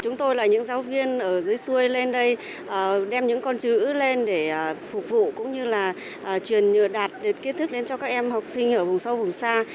chúng tôi là những giáo viên ở dưới xuôi lên đây đem những con chữ lên để phục vụ cũng như là truyền nhờ đạt kết thúc cho các em học sinh ở vùng sâu vùng xa